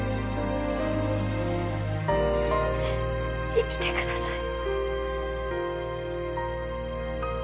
生きてください。